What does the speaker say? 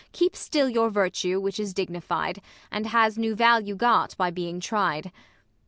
Keep still your virtue, which is dignified, And has new value got by being tried.